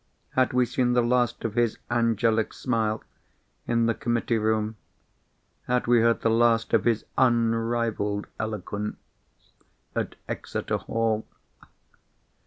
Had we seen the last of his angelic smile in the committee room? Had we heard the last of his unrivalled eloquence at Exeter Hall?